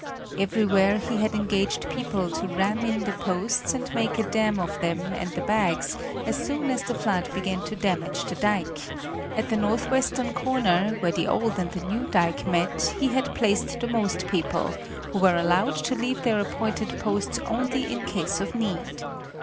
Everywhere he had engaged people to ram in the posts and make a dam of them and the bags, as soon as the flood began to damage the dike; at the northwestern corner, where the old and the new dike met, he had placed the most people, who were allowed to leave their appointed posts only in case of need.